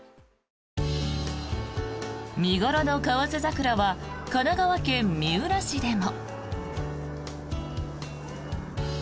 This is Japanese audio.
見頃のカワヅザクラは神奈川県三浦市でも。